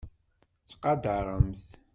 Ttqadaṛemt.